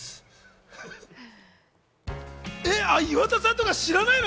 岩田さんとか知らないの？